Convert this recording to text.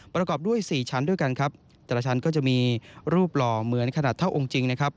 ประกอบด้วย๔ชั้นด้วยกันครับแต่ละชั้นก็จะมีรูปหล่อเหมือนขนาดเท่าองค์จริงนะครับ